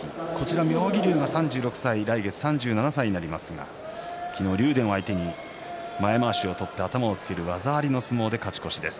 妙義龍は３６歳、来月３７歳になりますが、昨日は竜電を相手に前まわしを取って頭をつける技ありの相撲で勝ち越しです。